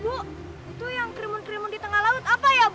bu itu yang krimun krimun di tengah laut apa ya bu